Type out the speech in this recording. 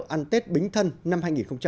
ăn tết bính thân năm hai nghìn một mươi sáu